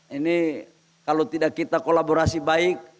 ini kalau tidak kita kolaborasi baik